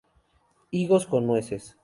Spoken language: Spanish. Higos con nueces.